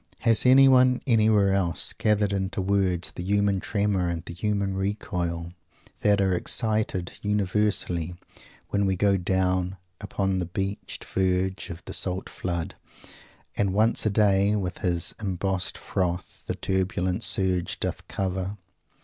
Has anyone, anywhere else, gathered into words the human tremor and the human recoil that are excited universally when we go down "upon the beached verge of the salt flood, who once a day with his embossed froth the turbulent surge doth cover?"